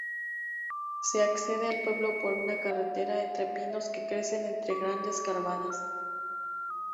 Se accede al pueblo por una carretera entre pinos que crecen entre grandes cárcavas.